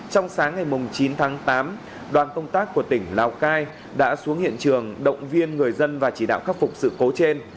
trong sáng ngày chín tháng tám đoàn công tác của tỉnh lào cai đã xuống hiện trường động viên người dân và chỉ đạo khắc phục sự cố trên